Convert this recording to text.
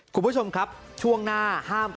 คุณผู้ชมครับช่วงหน้าห้าม